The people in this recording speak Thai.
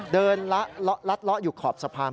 เดินลัดเลาะอยู่ขอบสะพาน